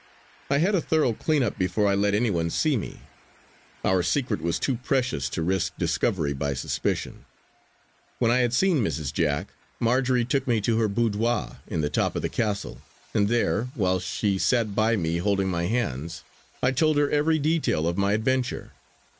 I had a thorough clean up before I let any one see me; our secret was too precious to risk discovery by suspicion. When I had seen Mrs. Jack, Marjory took me to her boudoir in the top of the castle, and there, whilst she sat by me holding my hands, I told her every detail of my adventure.